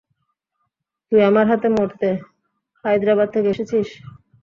তুই আমার হাতে মরতে হাইদ্রাবাদ থেকে এসেছিস!